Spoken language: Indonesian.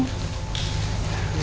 terima kasih ma